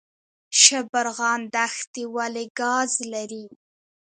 شبرغان دښتې ولې ګاز لري؟